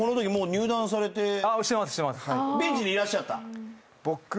ベンチにいらっしゃった？